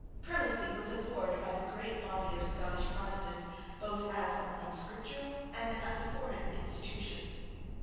Prelacy was abhorred by the great body of Scottish Protestants, both as an unscriptural and as a foreign institution.